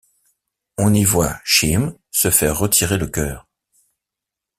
On y voit Shy'm se faire retirer le cœur.